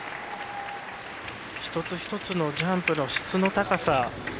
一つ一つのジャンプの質の高さ。